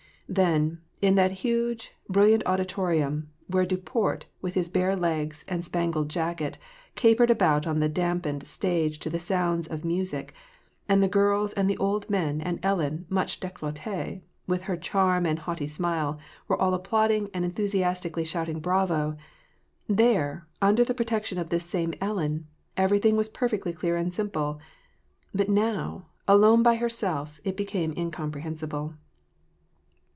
Then, in that huge, brilliant auditorium, where Duport, with his bare legs and his spangled jacket, capered about on the dampened staple to the sounds of music, and the girls and the old men and Ellen much decolletee, with her calm and haughty smile, were all applauding and enthusiastically shouting bravo, — there, under the protection of this same Ellen, everything was perfectly clear and simple ; but now, alone by herself, it became incomprehensible.